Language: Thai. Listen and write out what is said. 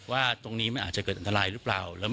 ว่าตรงนี้มันอาจจะเกิดอันตรายหรือเปล่า